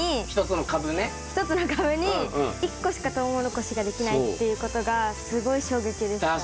１つの株に１個しかトウモロコシができないっていうことがすごい衝撃でした。